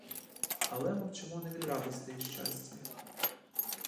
Але мовчимо не від радости і щастя.